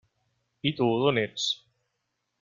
I tu, d'on ets?